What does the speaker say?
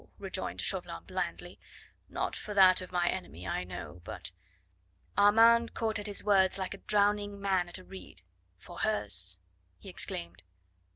rejoined Chauvelin blandly; "not for that of my enemy, I know, but " Armand caught at his words like a drowning man at a reed. "For hers!" he exclaimed.